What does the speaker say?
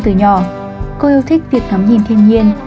từ nhỏ cô yêu thích việc ngắm nhìn thiên nhiên